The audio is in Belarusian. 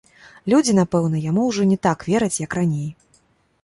Людзі, напэўна, яму ўжо не так вераць, як раней.